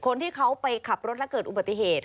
คนที่เขาไปขับรถและเกิดอุบัติเหตุ